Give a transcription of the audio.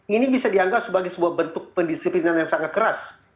ini bisa dianggap sebagai sebuah bentuk pendisiplinan yang sangat keras